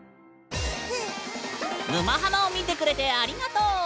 「沼ハマ」を見てくれてありがとう！